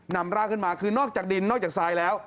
นำร่างขึ้นมาคือนอกจากดินนอกจากทรายแล้ว